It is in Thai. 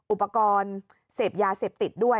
อุปกรณ์เสพยาเสพติดด้วย